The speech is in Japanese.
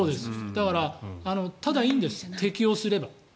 だからただいいんです、適応すれば。